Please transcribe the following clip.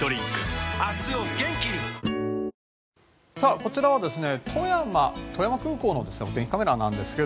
こちらは富山空港のお天気カメラです。